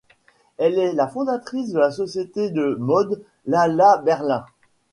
Elle est la fondatrice de la société de mode Lala-Berlin.